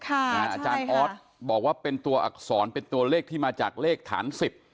อาจารย์ออสบอกว่าเป็นตัวอักษรเป็นตัวเลขที่มาจากเลขฐาน๑๐